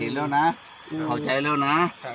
เห็นแล้วนะเข้าใจแล้วนะ